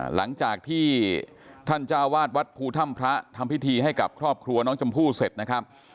หลังจากที่ท่านเจ้าวาดวัดภูถ้ำพระทำพิธีให้กับครอบครัวน้องชมพู่เสร็จนะครับ